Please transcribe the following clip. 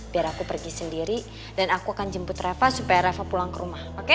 biar aku pergi sendiri dan aku akan jemput reva supaya reva pulang ke rumah